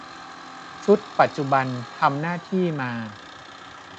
ชุดปัจจุบันทำหน้าที่มา